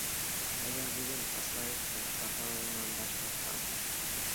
Әгәр бөгөн Аслаевтың саҡырыуынан баш тартһам...